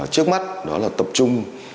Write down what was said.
trước mắt đó là tập trung